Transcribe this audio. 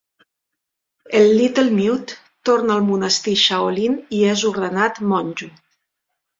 El Little Mute torna al monestir schaolin i és ordenat monjo.